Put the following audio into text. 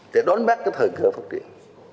để đón bắt cái thời gian phát triển